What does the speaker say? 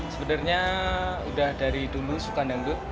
sebenarnya udah dari dulu suka dangdut